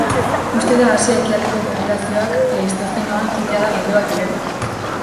Uste da Asia Ekialdeko populazioak Pleistozenoan jada galduak zirela.